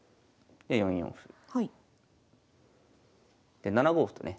で７五歩とね。